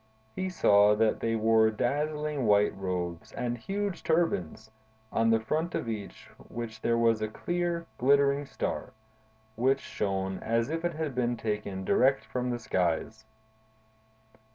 He saw that they wore dazzling white robes and huge turbans, on the front of each of which there was a clear, glittering star, which shone as if it had been taken direct from the skies.